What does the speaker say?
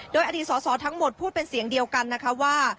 โดยอดีตสอสอทั้งหมดพูดเป็นเสียงเดียวกันนะคะว่า